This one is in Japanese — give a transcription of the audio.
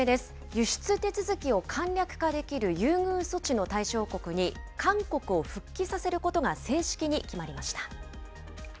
輸出手続きを簡略化できる優遇措置の対象国に、韓国を復帰させることが正式に決まりました。